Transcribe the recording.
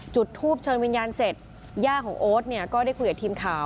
จุดทูปเชิญวิญญาณเสร็จย่าของโอ๊ตเนี่ยก็ได้คุยกับทีมข่าว